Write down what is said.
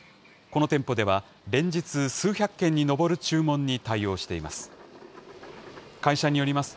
この店舗では、連日、数百件に上る注文に対応しています。